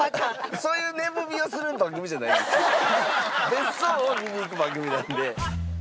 別荘を見に行く番組なんで。